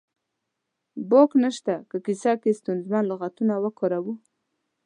باک نه شته که کیسه کې ستونزمن لغاتونه وکاروو